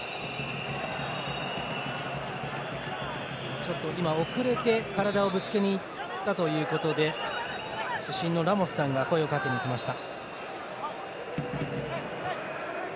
ちょっと今、遅れて体をぶつけにいったということで主審のラモスさんが声をかけにいきました。